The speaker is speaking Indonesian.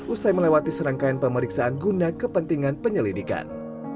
usai melewati serangkaian pemeriksaan guna kepentingan penyelidikan